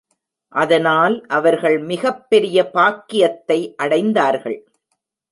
அதனால் அவர்கள் மிகப் பெரிய பாக்கியத்தை அடைந்தார்கள்.